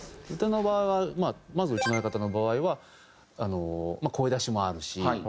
歌の場合はまずうちの相方の場合は声出しもあるし。